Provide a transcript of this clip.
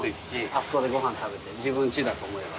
あそこでご飯食べて自分ちだと思えば。